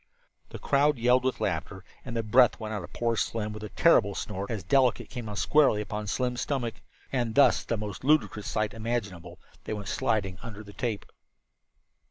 The crowd yelled with laughter, and the breath went out of poor Slim with a terrible snort, as Delicate came down squarely upon Slim's stomach. And thus, the most ludicrous sight imaginable, they went sliding under the tape.